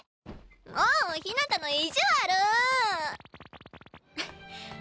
ああひなたの意地悪！